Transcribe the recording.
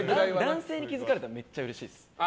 男性に気づかれたらめっちゃうれしいです。